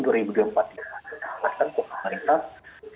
di dalam pencabaran